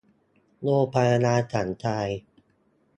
โรงพยาบาลสันทราย